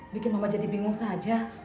bikin mama jadi bingung saja